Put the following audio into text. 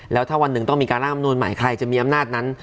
แล้วถ้าวันหนึ่งต้องมีการร่างอำนูลใหม่ใครจะมีอำนาจนั้น